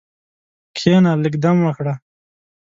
کښېنه، لږ دم وکړه.